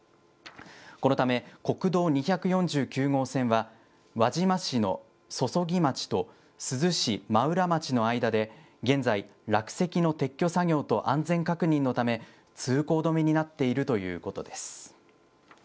このため国道２４９号線は、輪島市の曽々木町と珠洲市真浦町の間で、現在、落石の撤去作業と安全確認のため、通行止めになっているということです。